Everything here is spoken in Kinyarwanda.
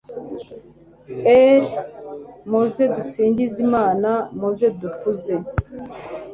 r/ muze dusingize imana, muze dukuze